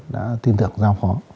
đã tin tưởng giao phó